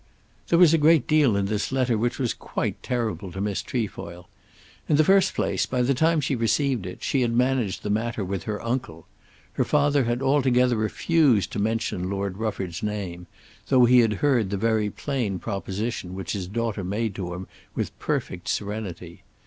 There was a great deal in this letter which was quite terrible to Miss Trefoil. In the first place by the time she received it she had managed the matter with her uncle. Her father had altogether refused to mention Lord Rufford's name, though he had heard the very plain proposition which his daughter made to him with perfect serenity.